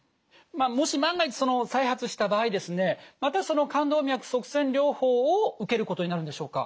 もし万が一再発した場合ですねまたその肝動脈塞栓療法を受けることになるんでしょうか？